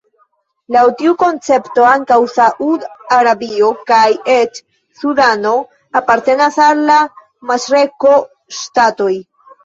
Laŭ tiu koncepto ankaŭ Saud-Arabio kaj eĉ Sudano apartenas al la maŝreko-ŝtatoj.